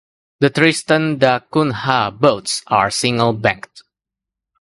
The Tristan da Cunha boats are single banked.